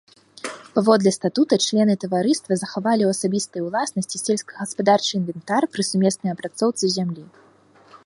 Паводле статута члены таварыства захавалі ў асабістай уласнасці сельскагаспадарчы інвентар пры сумеснай апрацоўцы зямлі.